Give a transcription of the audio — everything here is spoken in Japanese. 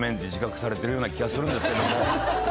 されてるような気がするんですけども。